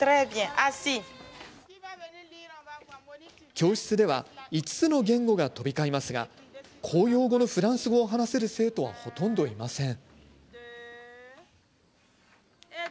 教室では５つの言語が飛び交いますが公用語のフランス語を話せる生徒は、ほとんどいません。